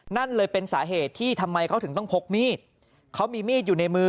นั่นเลยเป็นสาเหตุที่ทำไมเขาถึงต้องพกมีดเขามีมีดอยู่ในมือ